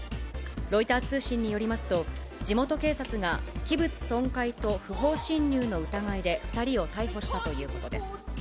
ロイター通信によりますと、地元警察が器物損壊と不法侵入の疑いで、２人を逮捕したということです。